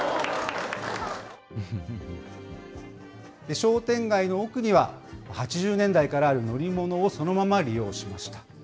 商店街の奥には、８０年代からある乗り物をそのまま利用しました。